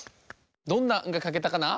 どんな「ん」がかけたかな？